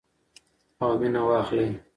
او مینه واخلئ.